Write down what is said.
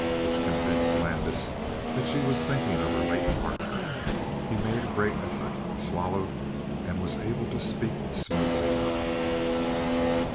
Which convinced Landis that she was thinking of her late partner. He made a great effort, swallowed, and was able to speak smoothly enough.